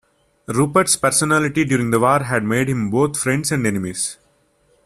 Rupert's personality during the war had made him both friends and enemies.